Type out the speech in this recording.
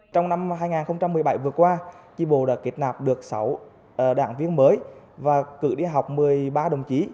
trong năm hai nghìn một mươi bảy vừa qua tri bộ đã kết nạp được sáu đảng viên mới và cử đi học một mươi ba đồng chí